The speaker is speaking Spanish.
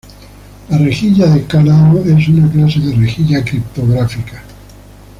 La rejilla de Cardano es una clase de rejilla criptográfica.